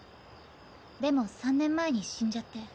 でも３年前に死んじゃって。